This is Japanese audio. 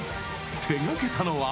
手がけたのは。